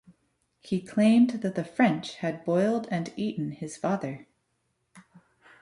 He claimed that the French had boiled and eaten his father.